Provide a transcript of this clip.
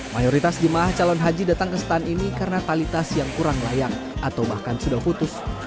mayoritas di mah calon haji datang ke stand ini karena tali tas yang kurang layak atau bahkan sudah putus